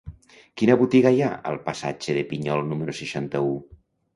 Quina botiga hi ha al passatge de Pinyol número seixanta-u?